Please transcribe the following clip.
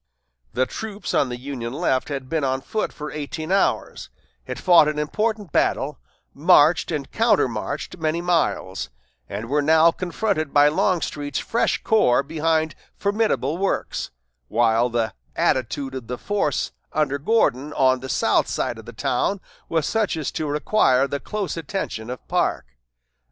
The troops on the Union left had been on foot for eighteen hours, had fought an important battle, marched and countermarched many miles, and were now confronted by Longstreet's fresh corps behind formidable works, while the attitude of the force under Gordon on the south side of the town was such as to require the close attention of Parke.